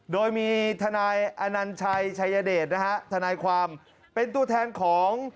โดยมีทนายอนัญชัยชัยเดชนะฮะทนายความเป็นตัวแทนของ